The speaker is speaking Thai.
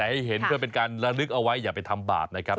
ให้เห็นเพื่อเป็นการระลึกเอาไว้อย่าไปทำบาปนะครับ